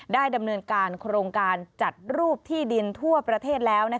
ได้ดำเนินการโครงการจัดรูปที่ดินทั่วประเทศแล้ว